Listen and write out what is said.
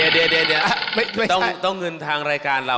เดี๋ยวต้องเงินทางรายการเรา